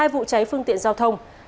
hai vụ cháy phương tiện giao thông